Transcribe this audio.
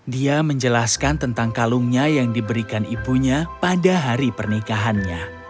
dia menjelaskan tentang kalungnya yang diberikan ibunya pada hari pernikahannya